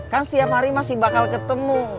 kan setiap hari masih bakal ketemu